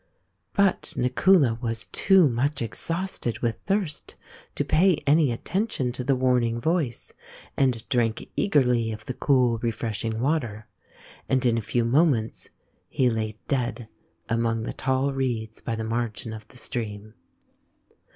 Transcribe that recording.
But Nakula was too much exhausted with thirst to pay any attention to the warning Voice and drank eagerly of the cool, refreshing water ; and in a few moments he lay dead among the tall reeds by the margin of the stream.